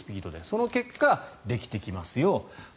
その結果、できてきますよ。